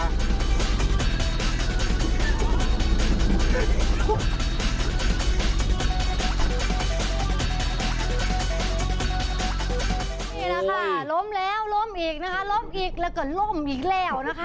นี่แหละค่ะล้มแล้วล้มอีกนะคะล้มอีกแล้วก็ล่มอีกแล้วนะคะ